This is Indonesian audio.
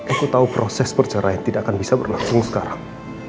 aku tahu proses perceraian tidak akan bisa berlangsung sekarang